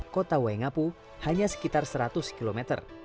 kota waingapu hanya sekitar seratus km